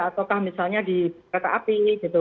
atau misalnya di kereta api